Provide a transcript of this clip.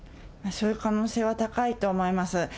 そういう可能性は高いと思います。